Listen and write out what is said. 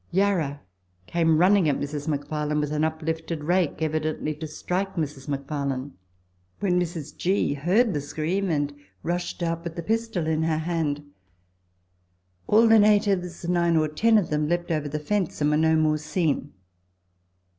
Yarra came running at Mrs. McFarlane with an uplifted rake, evidently to strike Mrs. McF., when Mrs. G. heard the scream, and rushed out with the pistol in her hand. All the natives, nine or ten of them, leaped over the fence and were no more seen.